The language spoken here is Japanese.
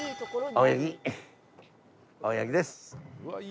青柳です。